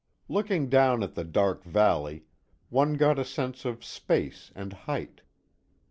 Looking down at the dark valley, one got a sense of space and height.